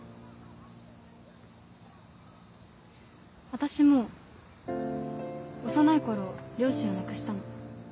私も幼い頃両親を亡くしたの。